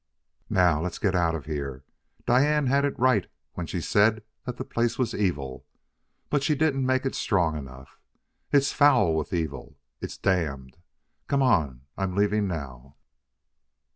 "Now let's get out of here. Diane had it right when she said that the place was evil. But she didn't make it strong enough. It's foul with evil! It's damned! Come on, I'm leaving now!"